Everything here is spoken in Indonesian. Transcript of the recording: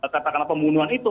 katakanlah pembunuhan itu